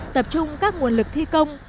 tập trung các nguồn lực thi công